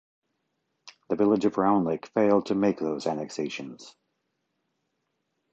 The village of Round Lake failed to make those annexations.